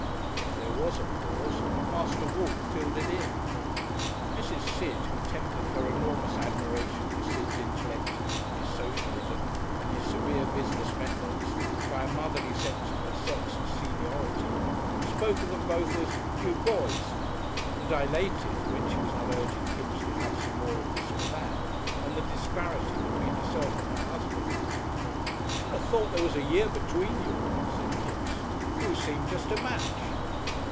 If there was a pause Master Walt filled it in. Mrs. Sid, who tempered her enormous admiration for Sid's intellect and his socialism and his severe business methods by a motherly sense of her sex and seniority, spoke of them both as "you boys," and dilated when she was not urging Kipps to have some more of this or that on the disparity between herself and her husband. "Shouldn't ha' thought there was a year between you," said Kipps; "you seem jest a match."